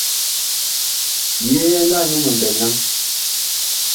Yee ɛ nga num mɓɛɛŋ naŋ ?